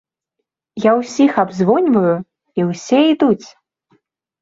Я ўсіх абзвоньваю і ўсе ідуць.